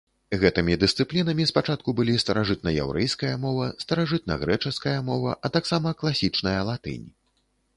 Гэтымі дысцыплінамі спачатку былі старажытнаяўрэйская мова, старажытнагрэчаская мова, а таксама класічная латынь.